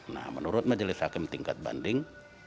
nah menurut majelis hakim tingkat banding